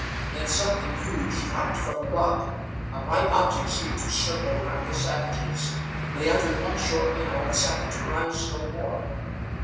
Then something huge dropped from the rock; a bright object seemed to circle round the savages; they uttered one short yell, and sank to rise no more.